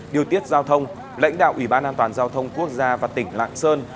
điều tiết giao thông lãnh đạo ủy ban an toàn giao thông quốc gia và tỉnh lạng sơn